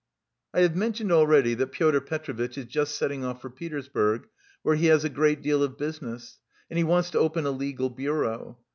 "I have mentioned already that Pyotr Petrovitch is just setting off for Petersburg, where he has a great deal of business, and he wants to open a legal bureau.